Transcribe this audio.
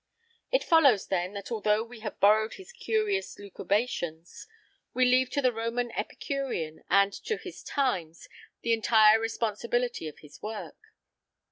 It follows, then, that although we have borrowed his curious lucubrations, we leave to the Roman epicurean and to his times the entire responsibility of his work.